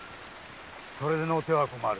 それでのうては困る。